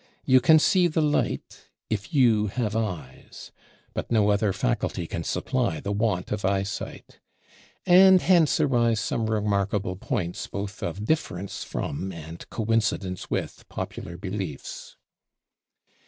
You can see the light if you have eyes; but no other faculty can supply the want of eyesight. And hence arise some remarkable points both of difference from and coincidence with popular beliefs.